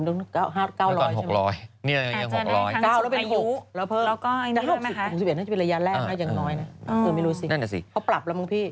นี่แหละยัง๖๐๐แล้วเพิ่มแต่๖๑น่าจะเป็นระยะแรกอย่างน้อยนะคุณไม่รู้สิพอปรับแล้วมึงพี่